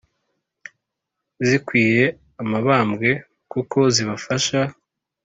Zikwiye amabambwe kuko zibafasha